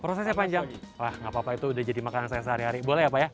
prosesnya panjang wah nggak apa apa itu udah jadi makanan saya sehari hari boleh ya pak ya